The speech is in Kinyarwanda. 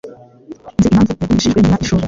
Nzi impamvu yagumishijwe nyuma yishuri.